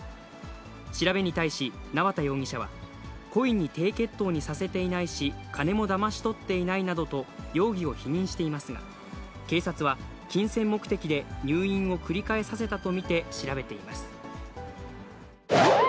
調べに対し、縄田容疑者は、故意に低血糖にさせていないし、金もだまし取っていないなどと、容疑を否認していますが、警察は、金銭目的で入院を繰り返させたと